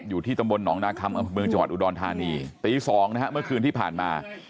อยู่ที่ตำบลหนองนาคมมจังหวัดอุดรธารีตี๒เมื่อคืนที่ผ่านมา